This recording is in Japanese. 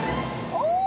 お！